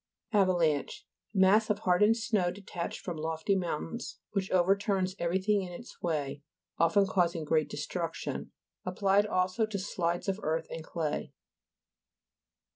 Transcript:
AVALA'NCHE Mass of hardened snow, detached from lofty moun tains, which overturns everything in its way, often causing great de struction. Applied also to slides of earth and clay.